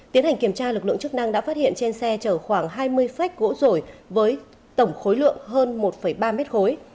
tiến hành kiểm tra lực lượng chức năng đã phát hiện trên xe chở khoảng hai mươi phách gỗ rổi với tổng khối lượng hơn một ba mét khối